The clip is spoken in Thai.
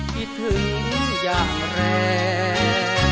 พี่ถึงอย่างแรง